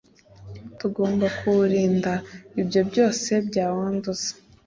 tugomba kuwurinda ibyo byose byawanduza